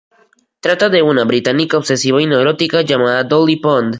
Trata de una británica obsesiva y neurótica llamada Dolly Pond.